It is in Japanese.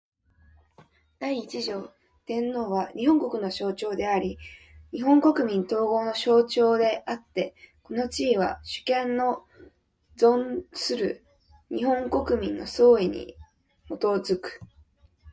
第一条天皇は、日本国の象徴であり日本国民統合の象徴であつて、この地位は、主権の存する日本国民の総意に基く。